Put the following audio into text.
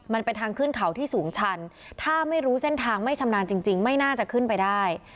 มันเป็นทางขึ้นเขาที่สูงชันถ้าไม่รู้เส้นทางไม่ชำนาญจริงไม่น่าจะขึ้นไปได้